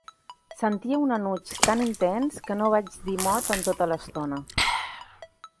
Sentia un enuig tan intens, que no vaig dir mot en tota l'estona.